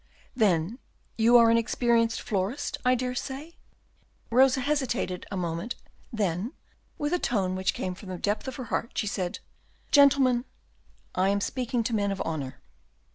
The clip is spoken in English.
"Then you are an experienced florist, I dare say?" Rosa hesitated a moment; then with a tone which came from the depth of her heart, she said, "Gentlemen, I am speaking to men of honor."